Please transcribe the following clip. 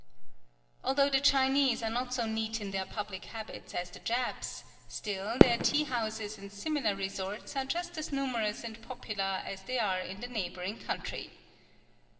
Although the Chinese are not so neat in their public habits as the Japs, still their tea houses and similar resorts are just as numerous and popular as they are in the neighboring country.